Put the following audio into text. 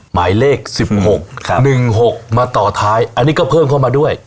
หมายเลขสิบหกครับหนึ่งหกมาต่อท้ายอันนี้ก็เพิ่มเข้ามาด้วย